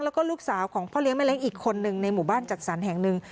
แล้วก็ลูกสาวของพ่อเลี้ยแม่เล้งอีกคนนึงในหมู่บ้านจัดสรรแห่งหนึ่ง